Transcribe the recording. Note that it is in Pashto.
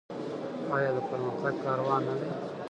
آیا د پرمختګ کاروان نه دی؟